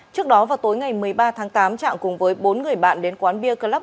trước đó vào tối ngày một mươi ba tháng tám trạng cùng với bốn người bạn đến quán bia club